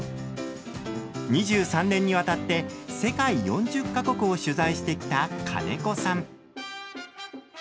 ２３年に渡って世界４０か国を取材してきた金子さん。